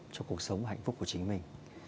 cho cuộc sống hạnh phúc của chính mình